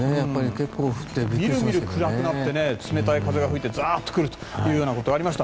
みるみる暗くなって冷たい風が吹いてざっと降ることがありました。